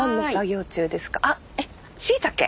あ！えっしいたけ？